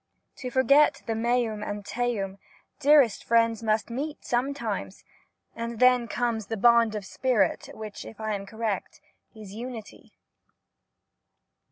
To forget the ^meum and teum,' dearest friends must meet sometimes, and then comes the ' bond of the spirit ' which, if I am correct, is 'unity.'